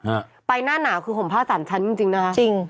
เอ้อไปหน้าหนาวคือผมพาสามชั้นจริงนะคะ